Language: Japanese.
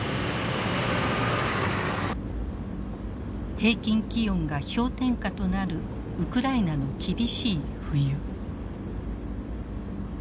平均気温が氷点下となるウクライナの厳しい冬。